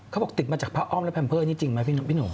เขาบอกติดมาจากพระอ้อมและแพมเพอร์นี่จริงไหมพี่หนุ่ม